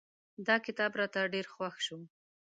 دا کتاب راته ډېر خوښ شو.